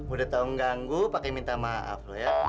udah tau nganggu pake minta maaf lo ya